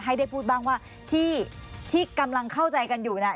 ให้ได้พูดบ้างว่าที่กำลังเข้าใจกันอยู่น่ะ